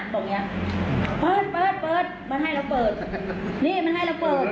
ตรงนี้เปิดมันให้เราเปิดนี่มันให้เราเปิด